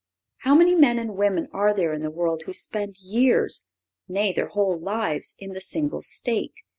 How many men and women are there in the world who spend years, nay, their whole lives, in the single state?